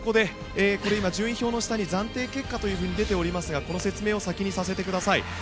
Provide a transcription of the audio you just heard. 順位表の下に暫定結果と出ておりますが、この説明を先にさせてください。